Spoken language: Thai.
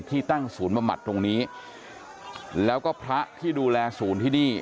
ที่ตั้งศูนย์บำบัดตรงนี้แล้วก็พระที่ดูแลศูนย์ที่นี่